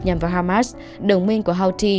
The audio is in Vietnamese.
nhằm vào hamas đồng minh của houthi